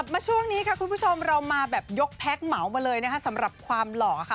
มาช่วงนี้ค่ะคุณผู้ชมเรามาแบบยกแพ็คเหมามาเลยนะคะสำหรับความหล่อค่ะ